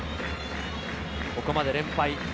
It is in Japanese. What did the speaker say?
ここまで連敗。